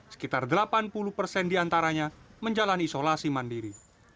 sekitar delapan puluh persen diantaranya menjalani isolasi mandiri